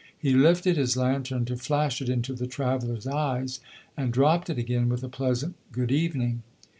He lifted his lantern to flash it into the traveller's eyes, and dropped it again with a pleasant "good evening."